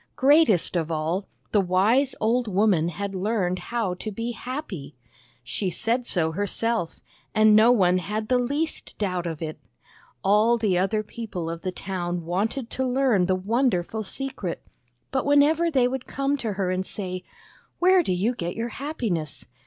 Greatest of all, the wise old woman had learned how to be happy. She said so herself, and no one had the least doubt of it. All the other people of the town wanted to learn the wonderful secret; but whenever they would come to her and say, " Where do you get your happiness?